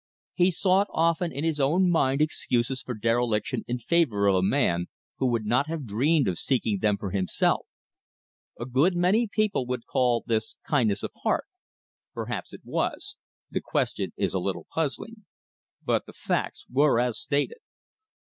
He sought often in his own mind excuses for dereliction in favor of a man who would not have dreamed of seeking them for himself. A good many people would call this kindness of heart. Perhaps it was; the question is a little puzzling. But the facts were as stated.